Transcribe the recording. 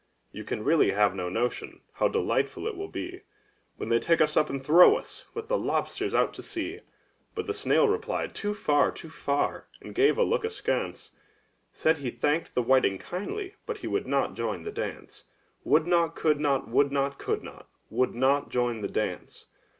"You can really have no notion how delightful it will be. When they take us up and throw us, with the lobsters, out to sea!" But the snail replied: "Too far, too far!" and gave a look askance — Said he thanked the whiting kindly, but he would not join the dance. Would not, could not; would not, could not; would not join the dance.